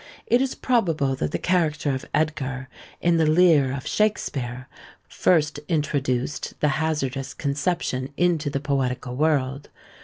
It is probable that the character of Edgar, in the Lear of Shakspeare, first introduced the hazardous conception into the poetical world.